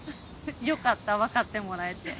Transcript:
よかった分かってもらえて。